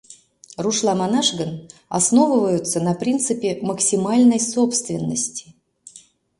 Рушла манаш гын, основываются на принципе максимальной собственности.